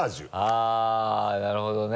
あっなるほどね。